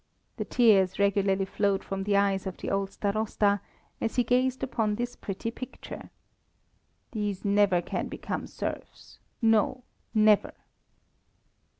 The tears regularly flowed from the eyes of the old Starosta as he gazed upon this pretty picture. "These never can become serfs; no, never!"